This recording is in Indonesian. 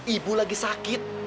ibu lagi sakit